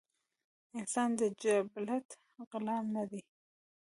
انسان د جبلت غلام نۀ دے